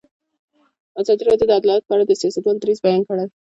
ازادي راډیو د عدالت په اړه د سیاستوالو دریځ بیان کړی.